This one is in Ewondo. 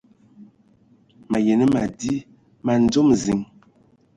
Mayi nə madi man dzom ziŋ.